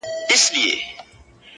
د غيږي د خوشبو وږم له مياشتو حيسيږي~